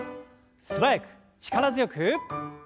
素早く力強く。